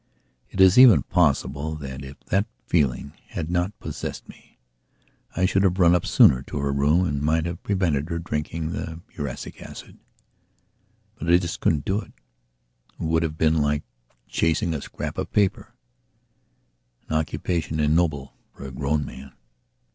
It is even possible that, if that feeling had not possessed me, I should have run up sooner to her room and might have prevented her drinking the prussic acid. But I just couldn't do it; it would have been like chasing a scrap of paperan occupation ignoble for a grown man.